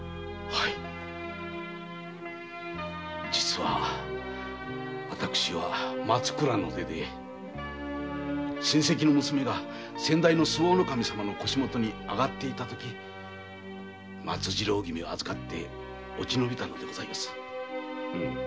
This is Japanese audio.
実は私は松倉の出で親せきの娘が先代の周防守様の腰元にあがっていた時松次郎君を預かって落ちのびたのです。